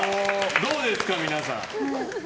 どうですか、皆さん。